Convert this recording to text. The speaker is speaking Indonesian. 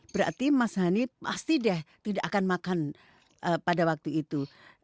berarti mas hani pasti deh tidak akan makan pada waktu itu